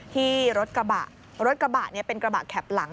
ที่รถกระบะรถกระบะเนี่ยเป็นกระบะแข็บหลัง